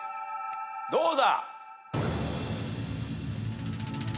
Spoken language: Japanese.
どうだ。